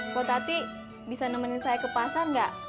kota ati bisa nemenin saya ke pasar gak